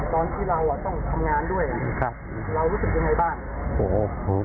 บ๋อนที่ต้องทำงานด้วยเรารู้สึกอย่างไงบ้าง